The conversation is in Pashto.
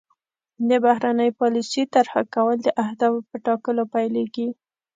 د بهرنۍ پالیسۍ طرح کول د اهدافو په ټاکلو پیلیږي